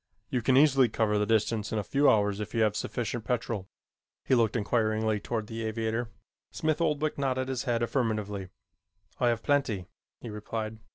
You can easily cover the distance in a few hours if you have sufficient petrol." He looked inquiringly toward the aviator. Smith Oldwick nodded his head affirmatively. "I have plenty," he replied.